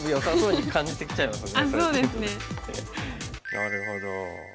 なるほど。